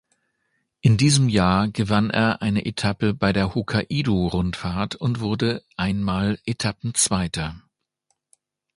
In diesem Jahr gewann er eine Etappe bei der Hokkaido-Rundfahrt und wurde einmal Etappenzweiter.